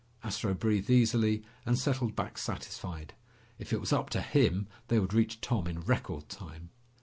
Astro breathed easily and settled back satisfied. If it was up to him, they would reach Tom in record time.